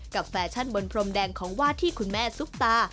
แฟชั่นบนพรมแดงของวาดที่คุณแม่ซุปตา